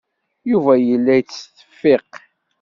Yuba yella yettseffiq.